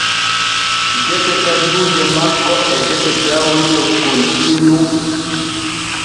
Gese kajuuje makko e gese gawri takkontiri nun.